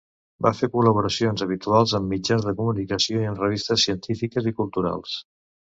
Va fer col·laboracions habituals en mitjans de comunicació i en revistes científiques i culturals.